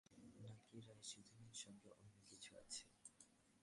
নাকি রাইসুদিনের সঙ্গে অন্য কিছু আছে?